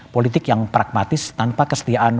politik yang pragmatis tanpa kesetiaan